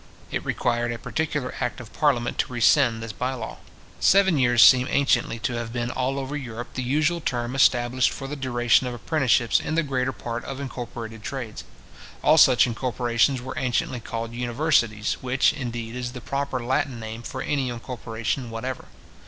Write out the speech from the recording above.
It required a particular act of parliament to rescind this bye law. Seven years seem anciently to have been, all over Europe, the usual term established for the duration of apprenticeships in the greater part of incorporated trades. All such incorporations were anciently called universities, which, indeed, is the proper Latin name for any incorporation whatever.